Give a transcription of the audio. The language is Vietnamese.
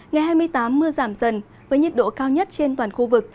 ngày hai mươi tám mưa giảm dần với nhiệt độ cao nhất trên toàn khu vực